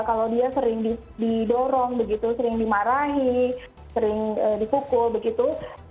kalau dia sering didorong begitu sering dimarahi sering dipukul begitu